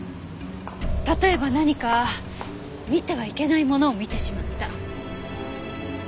例えば何か見てはいけないものを見てしまった。